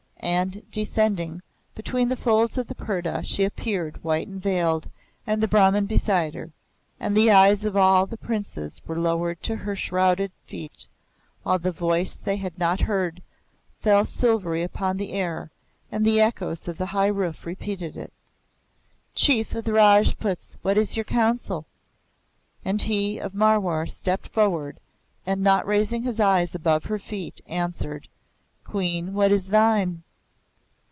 And, descending, between the folds of the purdah she appeared white and veiled, and the Brahman beside her, and the eyes of all the Princes were lowered to her shrouded feet, while the voice they had not heard fell silvery upon the air, and the echoes of the high roof repeated it. "Chief of the Rajputs, what is your counsel?" And he of Marwar stepped forward, and not raising his eyes above her feet, answered, "Queen, what is thine?"